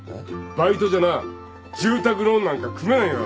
バイトじゃな住宅ローンなんか組めないからな。